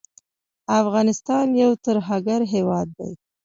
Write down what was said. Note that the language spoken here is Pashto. افغانستان یو ترهګر هیواد دی